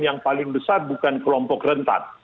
yang paling besar bukan kelompok rentan